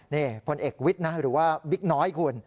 นี่พลเอกวิทย์นะหรือว่าบิ๊กน้อยคุณ